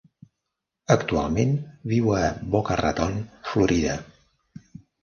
Actualment viu a Boca Raton, Florida.